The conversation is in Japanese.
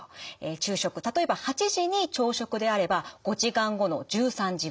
昼食例えば８時に朝食であれば５時間後の１３時ぐらい。